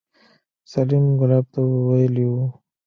سليم ګلاب ته ويلي وو.